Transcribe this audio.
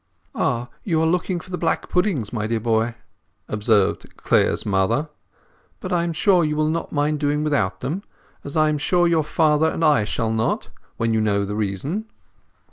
"Ah! you are looking for the black puddings, my dear boy," observed Clare's mother. "But I am sure you will not mind doing without them as I am sure your father and I shall not, when you know the reason.